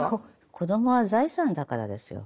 子どもは財産だからですよ。